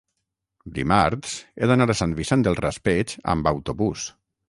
Dimarts he d'anar a Sant Vicent del Raspeig amb autobús.